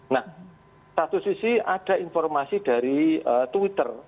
nah satu sisi ada informasi dari twitter